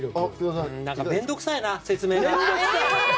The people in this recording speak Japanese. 何か、面倒くさいな説明が。